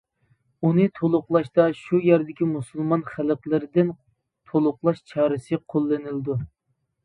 ئۇنى تولۇقلاشتا شۇ يەردىكى مۇسۇلمان خەلقلىرىدىن تولۇقلاش چارىسى قوللىنىلىدۇ.